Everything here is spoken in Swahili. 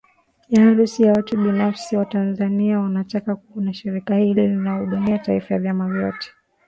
ya harusi za watu binafsi Watanzania wanataka kuona shirika hili linahudumia taifa vyama vyote